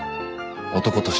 男として。